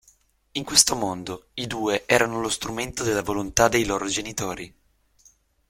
In questo mondo, i due erano lo strumento della volontà dei loro genitori.